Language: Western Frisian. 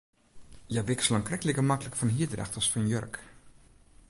Hja wikselen krekt like maklik fan hierdracht as fan jurk.